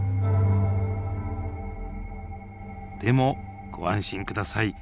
でもご安心下さい。